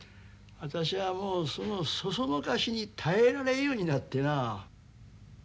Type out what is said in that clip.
私はもうその唆しに耐えられんようになってなあ。